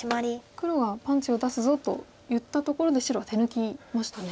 黒が「パンチを出すぞ」と言ったところで白は手抜きましたね。